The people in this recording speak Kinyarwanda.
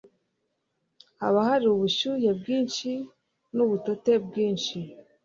haba hari ubushyuhe bwinshi n ubutote bwinshi